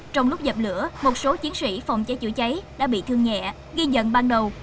trong lúc dập lửa một số chiến sĩ phòng cháy chữa cháy đã bị thương nhẹ ghi nhận ban đầu